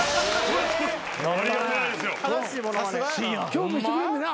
今日もしてくれんねんな。